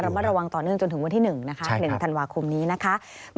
มาระวังต่อเนื่องจนถึงวันที่๑นะคะ๑ธันวาคมนี้นะคะ